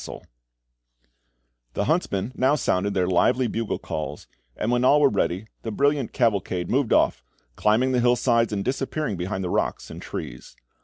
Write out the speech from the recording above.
[Illustration: BALFE] The huntsmen now sounded their lively bugle calls, and when all were ready, the brilliant cavalcade moved off, climbing the hillsides, and disappearing behind the rocks and trees.